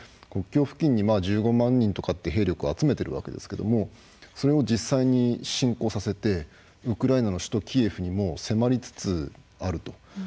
国境付近に１５万人とかって兵力を集めてるわけですけどもそれを実際に侵攻させてウクライナの首都キエフにも迫りつつあると。